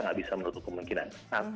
tidak bisa menutup kemungkinan